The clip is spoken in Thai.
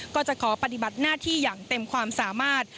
ก็จะขอปฏิบัติหน้าที่อย่างเต็มความสามารถ